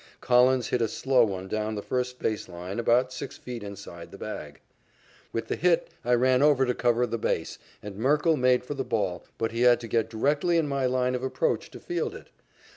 Collins hit a slow one down the first base line, about six feet inside the bag. With the hit, I ran over to cover the base, and Merkle made for the ball, but he had to get directly in my line of approach to field it.